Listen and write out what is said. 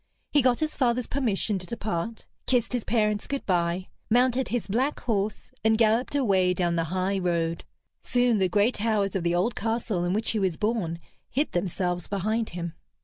He got his father's permission to depart, kissed his parents good bye, mounted his black horse, and galloped away down the high road. Soon the gray towers of the old castle in which he was born hid themselves behind him.